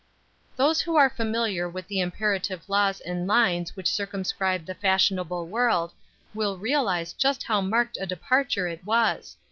Those who are familiar with the imperative laws and lines which circumscribe the fashionable world will realize just how marked a departure it was.